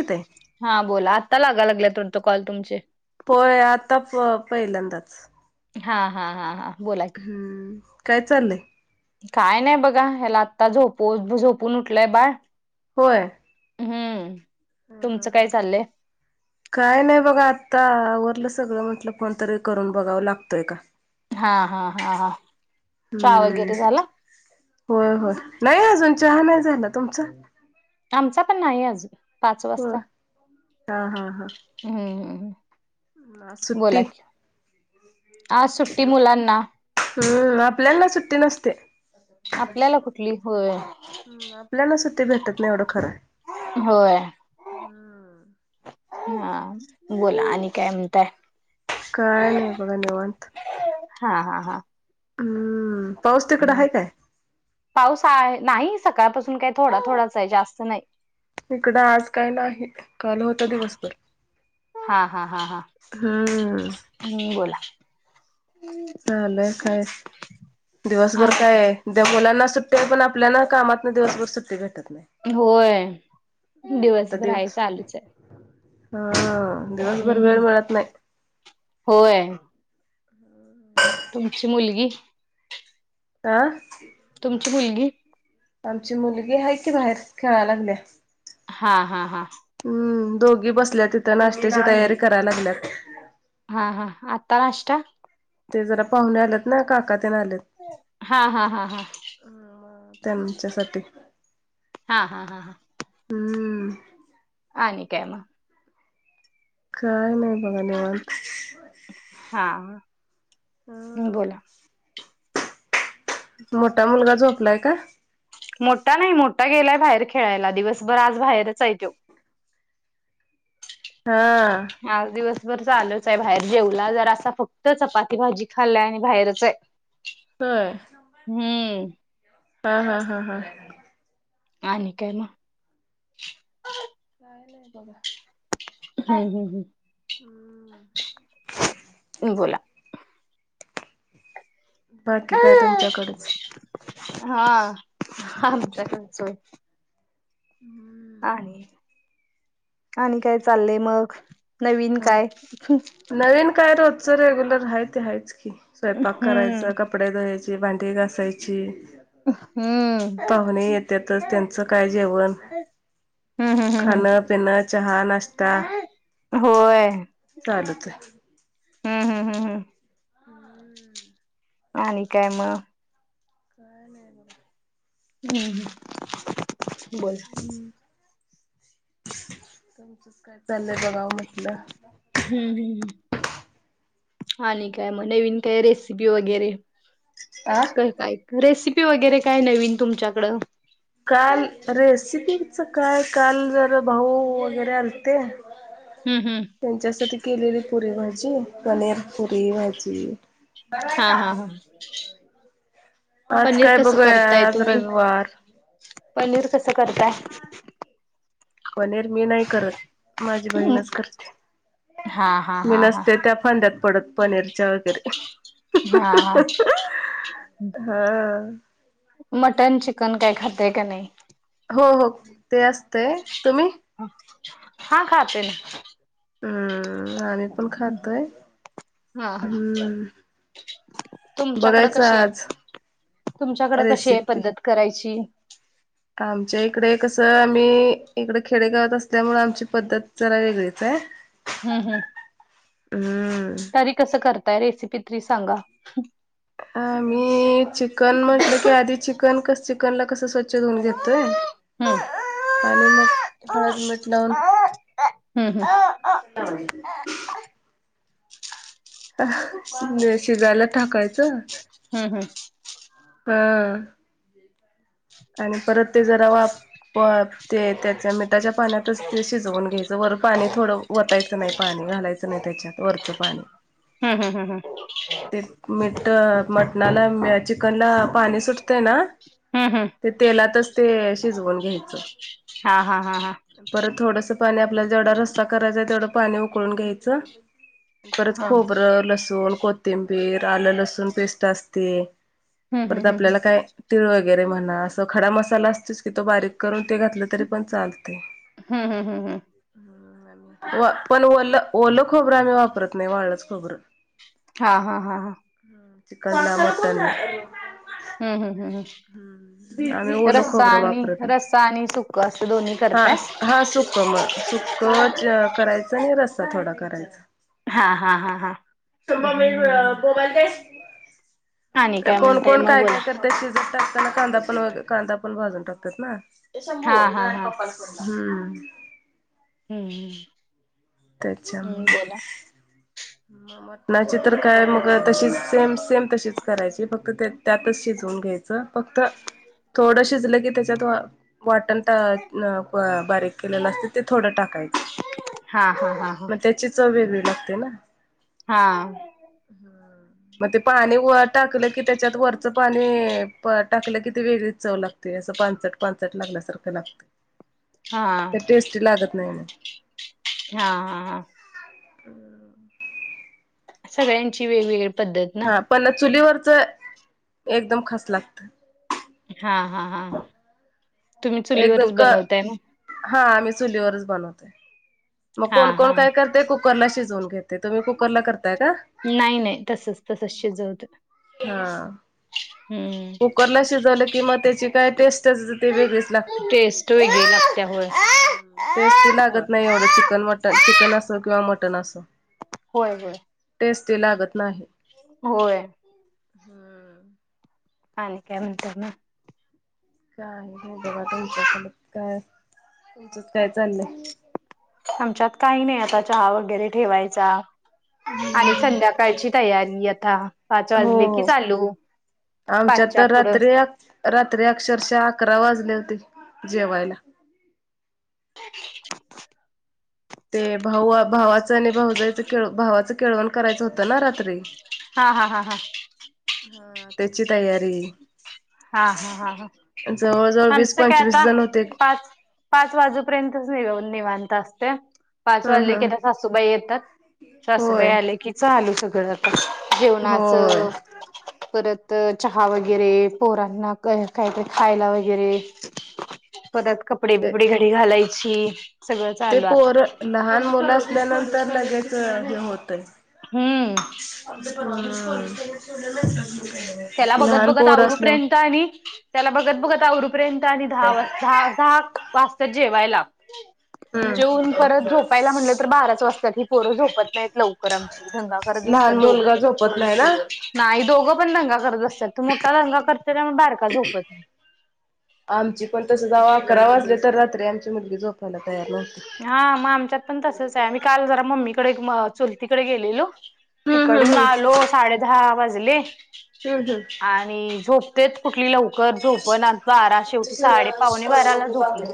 हो ते [unintelligible] हा बोला आत्ता लागा लागल्यात वाटतं कॉल तुमचे. [unintelligible] होय आता प पहिल्यांदाच. हा हा हा हा बोलाय. हम्म काय चालय? काय नाही बघा ह्याला आत्ता झोपुज झोपून उठलंय बाळ. होय. हम्म. हा हा तुमचं हा. काय [inaudible] काय नाही बघा आत्ता आवररलं सगळं म्हटलं फोन तरी करून बघावं लागतोय का. हा हा हा हा चहा हम्म वगैरे झाला? होय होय नाही अजून चहा नाही झाला तुमचा? आमचा पण नाही अजून पाच हो वाजता हा हा हा हम्म हम्म. आज सुट्टी बोला की आज सुट्टी मुलांना. हम्म आपल्याना सुट्टी नसते. आपल्याला कुठली होय हम्म आपल्याला सुट्टी भेटत नाही एवढं खरं हाय. होय. [unintelligible] हा बोला आणि काय म्हणताय? काय नाही बघा निवांत. हा हा हा. हम्म पाऊस तिकड हम्म. आहे काय? पाऊस आहे नाही सकाळपासून काही थोडा थोडासा हे जास्त नाही. इकडं आज काय नाही. काल होत दिवसभर हा हा हा हा हम्म. हम्म बोला. चालय काय दिवसभर काय हे? उद्या मुलांना सुट्टी आहे पण आपल्याना कामातन दिवसभर सुट्टी भेटत नाही. होय. आता दिवसभर हाय दिवस चालूच य हा दिवसभर वेळ हम्म. मिळत नाही होय. तुमची मुलगी? हं? तुमची मुलगी? आमची मुलगी हाय की बाहेर, खेळायळा गेलीया. हा हा हा. हम्म दोघी बसल्या तिथं, नाश्त्याची तयारी करायला लागल्यात. हा हा आत्ता नाष्टा? ते जरा पाहुणे आलेत ना, काका तेन आलेत. हा हा हा हा. त्यांच्यासाठी. हा हा हा हां. हम्म आणि काय मग? काय नाही बघा निवांत. [inaudible] हा. हम [inaudible] बोला. मोठा मुलगा झोपलाय का? मोठा नाही, मोठा गेलाय बाहेर खेळायला, दिवसभर आज बाहेरच हाय त्यो. हां. आज दिवसभर चालूच आहे बाहेर जेवला जरसा फक्त, चपाती भाजी खाल्लाय आणि बाहेरच ये. [inaudible] होय? हम्म. हं हं हं हं. आणि काय मग? काय नाही बघा [inaudible] हम्म हम् हम्, बोला. बाकी काय तुमच्याकडच? हा आमच्या कडच होय. हम्म [inaudible] आणि, आणि काय चाललंय मग, नवीन काय? नवीन काय रोजचं रेग्युलर हाय ते हायच की, स्वयंपाक हम्म करायचं का कपडे धुवायची, भांडी घासायची. हम्म. पाहुणे येतातच, त्यांचं काय जेवण हम्म हम्म हम्म हम्म खाणं-पिणं, चहा, नाश्ता होय चालूच ए. हम हम हम हम. हम्म [inaudible] आणि काय मग? काय नाही बघा [inaudible] हम् हम् [inaudible] बोला. तुमचंच काय [inaudible] चाललंय बघावं. हम्म हम्म हम्म आणि काय म नवीन? काय रेसिपी वगैरे? आ काय काय? रेसिपी वगैरे काय नवीन तुमच्याकडं? काल हम्म रेसिपीचं काय, काल जरा भाऊ वगैरे आलते. हम्म हम्म. त्यांच्यासाठी केलेली पुरी भाजी, पनीर, पुरी, भाजी हा हा हा, आज पनीर काय कसं बघूया करताय आज तुम्ही? रविवार पनीर कसं करताय पनीर मी नाही करत माझी बहीणच हा हा करते मी हा हा नसते त्या फंद्यात पडत पनीरच्या वगैरे हा हा हं मटन चिकन काय खाताय का नाय हो हो ते असतंय तुम्ही हा खातोय ना हम्म आम्ही पण खातोय हा हा हम्म तुमच्याकडं बघायचं कशी आहे आज तुमच्याकडं कशी आहे रेसिपी पद्धत करायची आमच्या इकडे कसं आम्ही इकडे खेडेगावात असल्यामुळं आमची पद्धत जरा वेगळीच आहे हम्म हम्म हम्म तरी कसं करताय रेसिपी तरी सांगा आम्ही चिकन म्हटलं की आधी चिकन कसं चिकनला कसं स्वच्छ धुवून घेतोय हम्म. आणि मग हळद मीठ लावून हम्म हम्म. [unintelligible] शिजायला टाकायचं हम्म हम्म हं आणि परत ते जरा वाप प ते त्याच्या मिठाच्या पाण्यातच ते शिजवून घ्यायचं वर पाणी थोडं वतायचं नाही पाणी घालायचं नाही त्याच्यात वरचं पाणी हम्म हम्म हम्म हम्म मीठं मटणाला चिकनला पाणी सुटतंय ना हम्म हम्म ते तेलातच ते शिजवून घ्यायचं हा हा हा हा. परत थोडंसं पाणी आपल्याला जेवढा रस्सा करायच तेवढं पाणी उकळून घ्यायचं परत हा. खोबरं लसूण कोथिंबीर आलं लसूण पेस्ट असते हम्म परत हम्म हम्म हम्म. आपल्याला काय तीळ वगैरे म्हणा असं खडा मसाला असतोच की तो बारीक करून ते घातलं तरी पण चालते हम्म हम्म हम्म हम्म. व पण वलं ओलं खोबरं आम्ही वापरत नाही वाळलंच खोबरं हा हा हा हा ह चिकनला मटन हम् हम् हम् हम आम्ही ओलं रस्सा खोबरं आणि वापरत नाही. रस्सा आणि सुकं असं दोन्ही करताय सुक्क च करायचं आणि रस्सा थोडा करायचा हा हा हा हा मोबाईल आणि दे काय कोण म्हणताय कोण मग काय बोला. काय करतय टाकताना कांदा पण मग कांदा पण भाजून टाकत्यात ना ए हा शंभु हा हा. हम्म हम्म हम् त्याच्यामुळे म मटणाची तर काय मग तशीच सेम सेम तशीच करायची फक्त ते त्यातच शिजवून घ्यायची फक्त थोड शिजलं की त्याच्यात वाटण बारीक केलं असते ते थोडं टाकायचं हा हा हा मग त्याची च वग लागते ना हा हम्म मग ते पाणी व टाकलं की त्याच्यात वरचं पाणी टाकलं कि ते वेगळीच चव लागत ते असं पानसट पाचट लागल्यासारखं लागत हा हा ते टेस्टी लागत नाही ना हा हा हा हम सगळ्यांची वेगवेगळी पद्धत ना हा पण चुलीवरच एकदम खास लागत हा हा हा तुम्ही एकदम चुलीवरच क बनवताय ना हा आम्ही चुलीवरच बनवत मग हा कोण कोण हा काय करते कुकरला शिजवून घेते तुम्ही कुकर ला करताय का नाही नाही तसच तसच शिजवत हा हम्म कुकरला शजवलं कि मग त्याची काय टेस्ट अस ते वेगच लागते टेस्ट होय गे लपत्या होळ ह् टेस्टी लागत नाही एवढं चिकन मटन चिकन असो किंवा मटन असो होय होय टेस्ट लागत नाही होय हम्म का काय म्हत काय नाही बघा तुमच्याकडे काय तुमचं काय चाललंय आमच्यात काही नाही आता चहा वगैरे ठेवायचा आणि संध्या कायची तयारी आता पाच हो वाजले की हो चालू आमच्यात पाचच्या तर पुढं रात्री रात्री अक्षरशः अकरा वाजले होते जेवायला ते भाऊ भावाचं आणि भाऊजईचळ भावाचं केळवण करायचं होतं ना रात्री हा हा हा हा ह त्याची तयारी हा हा हा ह जवळ जवळ वीस आमचं काय पंचवीस आता जण होते पाच पाच वाजूपर्यंतच नि निवांत असते पाच ह वाजले ह कीथ सासूबाई येतात सासूबाई होय आले की चालू सगळं होय जेवणाचं परत चहा वगैरे पोरांना काहीत खायला वगैरे परत कपडे ते बिपडे डी घालायची सगळं ते चालू आता पोर लहान मुलं असल्यानंतर लगेच हे होतय हम्म प त्याला बघत बघत आवरपर्यंत आणि त्याला बघत बघत आववरपर्यंत आणि दहा वा दहा दहा वाजता जेवायला जेऊन परत हम्म झोपायला म्हटलं तर बाराच वाजता ही पोरं झोपत नाहीत लवकर पोरं आमची दंगा करत बसत्यात लहान मुलगा दोघपण झोपत नाही ना नाही दोघ पण दंगा करत बस्त्यात तो मोठा दंगा करतो त्यामूळ बारका झोपत नाही. आमची पण तसंच आओ आकरा वाजले तर रात्री आमची मुलगी झोपायला तयार नव्हती. हा म आमच्यात पण तसच आहे मी काल जरा मम्मीकडे चूलतीकडे गेलेलो हम्म हम्म तिकडून हम्म आलो साडे दहा वाजले हुं हुं. आणि झोपतेत कुठली लवकर झोपनात बारा शेवटी साडेपावणे बाराला झोपलीत.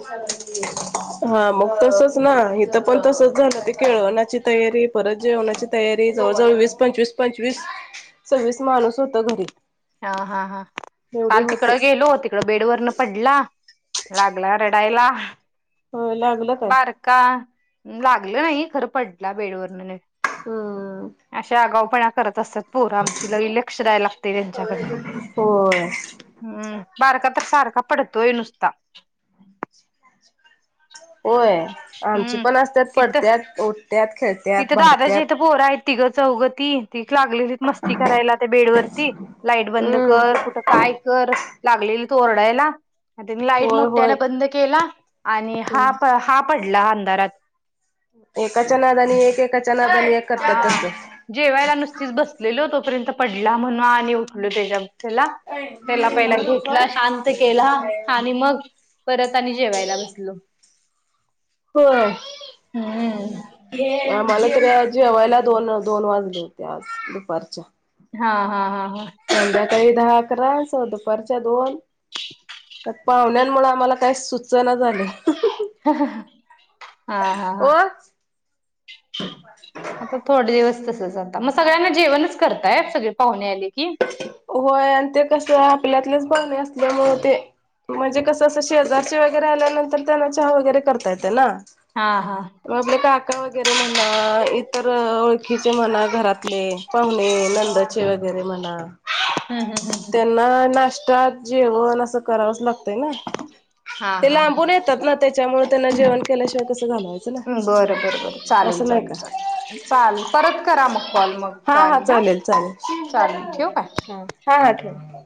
हा मग तसच ना इथ पण तसच झालं ते केळवण्याची तयारी परत जेवणाची तयारी जवळ जवळ वीस पंचवीस पंचवीस सव्वीस माणूस होत घरी. हा, हा, हा, एवढे काल तिकड होते लो तिकड बेडवरन पडला लागला रडायला होय लाग बारका लागलं नाही खरं पडला बेडवरन नीट हम्म. अशे आगावपणा करत असतात. पोर आमची लई लक्ष द्याय लागतय तेच्याकडन होय हम् बारका तर सारखा पडतोय नुसता. होय आमची हम्म पण असत्यात तिथं पडत्यात उठत्यात खेळत्या तिथं दादाच्या इथं पोर आहेत तिघं चौघ ती ती एक लागलेली मस्ती करायला त्या बेडवरती लाईट बंद कर हम्म कुठं काय कर लागलेलीत ओरडायला. आ तेनी लाईट होय होय मोठ्यानं बंद केला आणि हम्म हा प हा पडला अंधारात एकाच्या नादानी एक एकाच्या नादानी एक करतात हा. तस जेवायला नुसतीच बसलेलो तोपर्यंत पडला म्हनू आणि उठलो तेच्या त्याला तेला पहिला घेतला शांत केला आणि मग परत आणि जेवायला बसलो. हो. हम्म. आम्हाला तर जेवायला दोन दोन वाजले होते आज दुपारच्या. हा, हा, हा, हा. संध्याकाळी दहा आकरा सो दुपारच्या दोन [inaudible] त्यात पाहुण्यांमुळ आम्हाला काही सुचना झालय. हा, हा, हा हा. हो आता थोडे दिवस तसच आता म सगळ्यांना जेवणच करताय सगळे पाहुणे आले की? व्हय आणि ते कस आपल्यातलेच पाहुणे असल्यामूळ ते म्हणजे कसं असं शेजारचे वगैरे आल्यानंतर त्यांना चहा वगैरे करता येते ना. हा हा. म आपले काका वगैरे म्हणा इतर ओळ ळखीचे म्हणा, घरातले पाहुणे, नंदचे वगैरे म्हणा हुं, हुं, हुं. तेना नाष्टा, जेवण आसं करावंच लागतंय ना. हा ते लांबून येतात ना तेच्यामुळ त्यांना जेवण केल्याशिवाय कसं घालवायचं बर ना बर बर चालेल असं नाही चालेल का चालेल चाल परत करा म कॉल मग. हा हा चालेल चालेल. चालेल ठेवू काय? ह हा हा ठेवा.